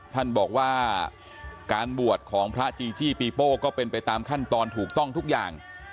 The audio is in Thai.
ท่านบอกว่าการบวชของพระจีจี้ปีโป้ก็เป็นไปตามขั้นตอนถูกต้องทุกอย่าง